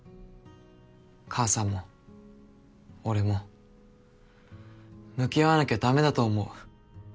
母さんも俺も向き合わなきゃダメだと思う。